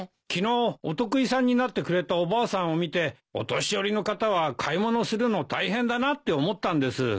昨日お得意さんになってくれたおばあさんを見てお年寄りの方は買い物するの大変だなって思ったんです。